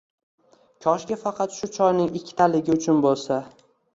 Koshki faqat shu choyning ikkitaligi uchun bo’lsa